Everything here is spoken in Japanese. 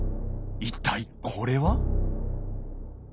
一体これは？